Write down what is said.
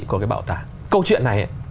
của bảo tàng câu chuyện này